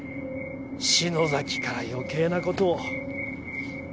篠崎から余計な事を。